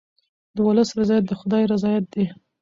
د ولس رضایت د خدای رضایت دی.